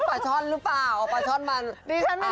ปลาช่อนหรือเปล่าเอาปลาช่อนมาอาบน้ำหมาได้หรือเปล่า